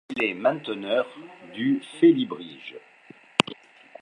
Il est mainteneur du Félibrige.